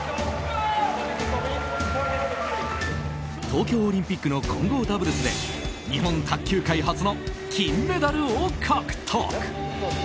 東京オリンピックの混合ダブルスで日本卓球界初の金メダルを獲得。